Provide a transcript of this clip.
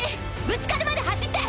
ぶつかるまで走って！